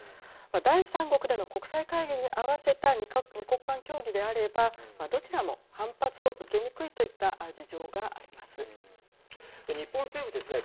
第三国での国際会議にあわせた２国間協議であれば、どちらも反発を受けにくい日本政府ですね